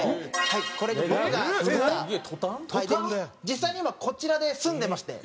実際に今こちらで住んでまして。